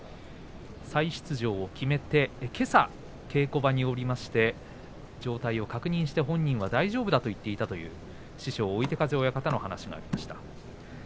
再出場を決めて、けさ稽古場に下りまして状態を確認して本人は大丈夫だと言っていたという師匠追手風親方のお話がありました。